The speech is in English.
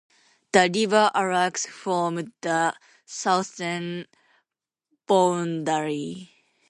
The river Arax formed the southern boundary.